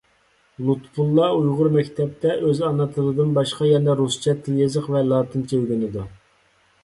لۇتپۇللا ئۇيغۇر مەكتەپتە ئۆز ئانا تىلىدىن باشقا يەنە رۇسچە تىل-يېزىق ۋە لاتىنچە ئۆگىنىدۇ.